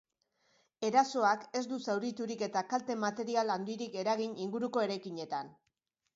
Erasoak ez du zauriturik eta kalte material handirik eragin inguruko eraikinetan.